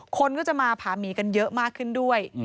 คนก็จะมาผาหมีกันเยอะมากขึ้นด้วย